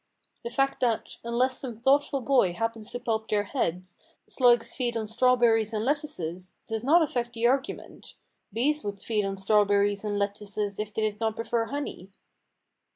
The fact that, unless some thoughtful boy happens to pulp their heads, slugs feed on strawberries and lettuces, does not affect the argu ment. Bees would feed on strawberries and lettuces if they did not prefer honey."